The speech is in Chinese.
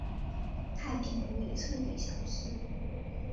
太平湖已彻底消失。